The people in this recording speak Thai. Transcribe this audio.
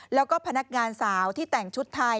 แล้วก็พนักงานสาวที่แต่งชุดไทย